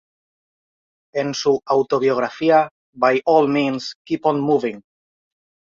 En su autobiografía, "By All Means, Keep on Moving".